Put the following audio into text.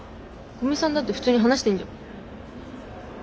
古見さんだってフツーに話してんじゃん。